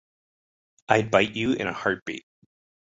I'd bite you in a heartbeat.